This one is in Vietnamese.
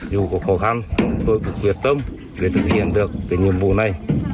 dù có khó khăn tôi cũng quyết tâm để thực hiện được cái nhiệm vụ này